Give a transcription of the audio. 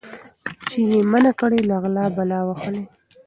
چي یې منع کړي له غلا بلا وهلی